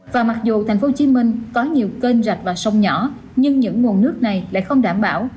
và mặc dù tp hcm có nhiều kênh rạch và sông nhỏ nhưng những nguồn nước này lại không đảm bảo